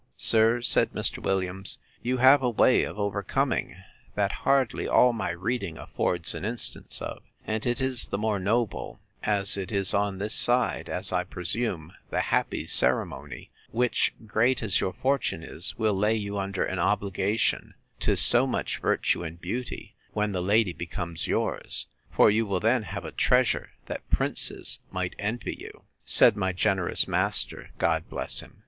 Sir, said Mr. Williams, you have a way of overcoming, that hardly all my reading affords an instance of; and it is the more noble, as it is on this side, as I presume, the happy ceremony, which, great as your fortune is, will lay you under an obligation to so much virtue and beauty, when the lady becomes yours; for you will then have a treasure that princes might envy you. Said my generous master, (God bless him!)